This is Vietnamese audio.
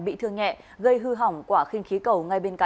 bị thương nhẹ gây hư hỏng quả khinh khí cầu